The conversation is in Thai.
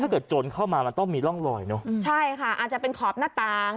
โจรเข้ามามันต้องมีร่องรอยเนอะใช่ค่ะอาจจะเป็นขอบหน้าต่าง